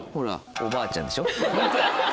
おばあちゃんでしょ？